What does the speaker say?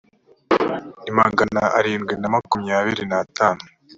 ni magana arindwi na makumyabiri natanu